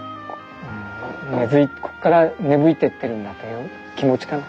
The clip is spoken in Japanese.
ここから芽吹いてってるんだという気持ちかな。